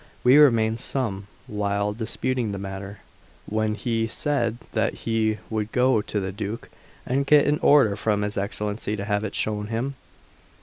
We remained some while disputing the matter, when he said that he would go to the Duke and get an order from his Excellency to have it shown him.